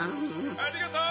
ありがとう！